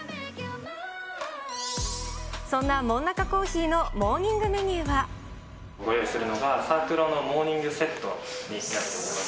そんなモンナカコーヒーのモーニご用意するのが、サークロのモーニングセットになっております。